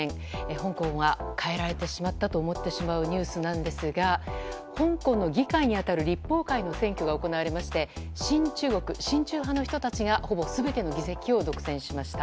香港は変えられてしまったと思ってしまうニュースなんですが香港の議会に当たる立法会の選挙が行われまして親中派の人たちがほぼ全ての議席を独占しました。